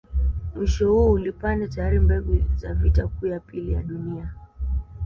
Mwisho huo ulipanda tayari mbegu za vita kuu ya pili ya dunia